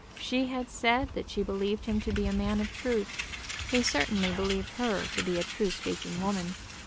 She had said that she believed him to be a man of truth. He certainly believed her to be a true speaking woman.